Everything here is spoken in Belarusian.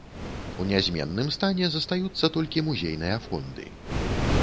У нязменным стане застаюцца толькі музейныя фонды.